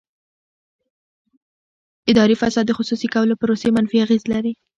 اداري فساد د خصوصي کولو پروسې منفي اغېز لري.